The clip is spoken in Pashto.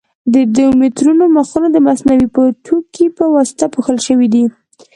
د دې مترونو مخونه د مصنوعي پوټکي په واسطه پوښل شوي دي.